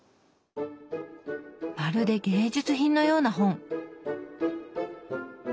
まるで芸術品のような本。